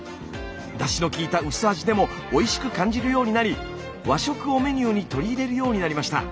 だしのきいた薄味でもおいしく感じるようになり和食をメニューに取り入れるようになりました。